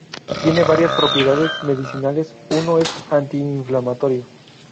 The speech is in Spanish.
Tiene varias propiedades medicinales, uno es anti-inflamatorio.